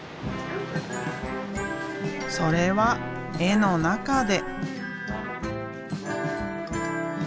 それは絵の中で。